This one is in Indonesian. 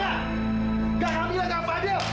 gak hamilnya gak fadil